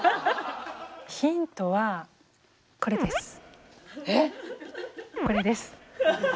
ヒントはこれです。